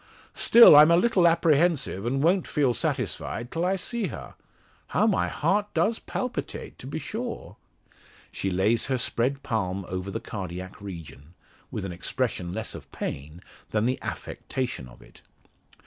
Still I'm a little apprehensive, and won't feel satisfied till I see her. How my heart does palpitate, to be sure." She lays her spread palm over the cardiac region, with an expression less of pain, than the affectation of it.